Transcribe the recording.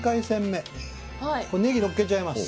これネギのっけちゃいます。